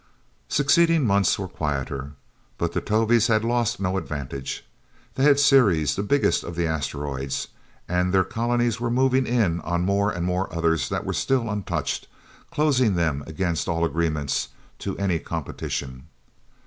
Succeeding months were quieter. But the Tovies had lost no advantage. They had Ceres, the biggest of the asteroids, and their colonies were moving in on more and more others that were still untouched, closing them, against all agreements, to any competition.